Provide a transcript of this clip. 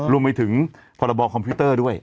รวมไปถึงพรบคอมพิวเตอร์ด้วย